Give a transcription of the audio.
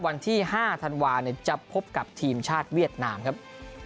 วันที่๕ธันวาจะพบกับทีมชาติเวียดนามครับ